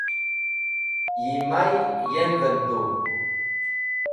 Yi may yem’v en tu.